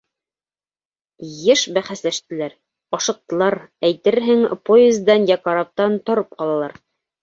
Йыш бәхәсләштеләр, ашыҡтылар, әйтерһең, поездан йә караптан тороп ҡалалар.